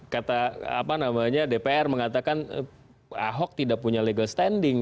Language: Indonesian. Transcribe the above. kata apa namanya dpr mengatakan ahok tidak punya legal standing